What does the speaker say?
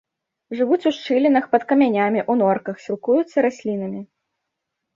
Жывуць у шчылінах, пад камянямі, у норках, сілкуюцца раслінамі.